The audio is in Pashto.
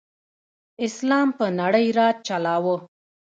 اسلام په نړۍ راج چلاؤ.